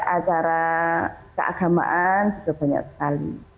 acara keagamaan juga banyak sekali